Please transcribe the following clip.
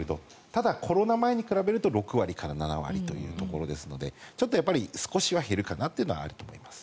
ただコロナ前に比べると６割から７割というところですのでちょっと少しは減るかなというのがあると思います。